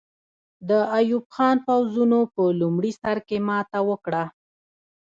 د ایوب خان پوځونو په لومړي سر کې ماته وکړه.